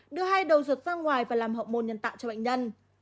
đưa hai đầu rượt ra ngoài và làm hậu môn nhân tạo cho bệnh nhân